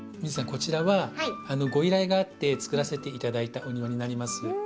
こちらはご依頼があってつくらせて頂いたお庭になります。